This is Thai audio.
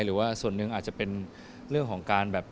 หรือว่าส่วนหนึ่งอาจจะเป็นเรื่องของการแบบ